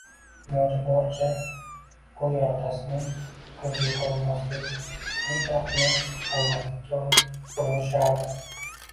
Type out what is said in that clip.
Iloji boricha o'gay otasining ko'ziga ko'rinmaslik, uning jahlini chiqarmaslikka urinishardi